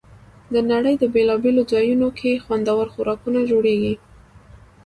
د نړۍ په بېلابېلو ځایونو کې خوندور خوراکونه جوړېږي.